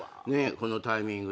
このタイミングで。